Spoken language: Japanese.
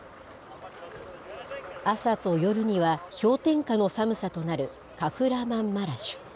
朝と夜には氷点下の寒さとなるカフラマンマラシュ。